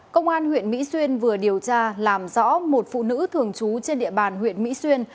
công an huyện mỹ xuyên vừa điều tra làm rõ một phụ nữ thường trú trên địa bàn huyện mỹ xuyên